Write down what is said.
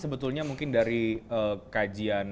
sebetulnya mungkin dari kajian